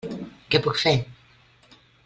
Què puc fer?